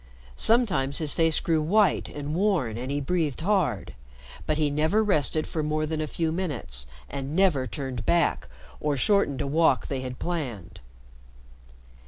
Sometimes his face grew white and worn and he breathed hard, but he never rested more than a few minutes, and never turned back or shortened a walk they had planned.